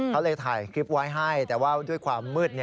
เขาเลยถ่ายคลิปไว้ให้แต่ว่าด้วยความมืด